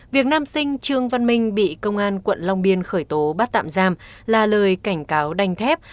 việc nam sinh trương văn minh bị công an quận long biên khởi tố bắt tạm giam là lời cảnh cáo đành thép